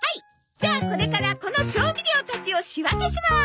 じゃあこれからこの調味料たちを仕分けします！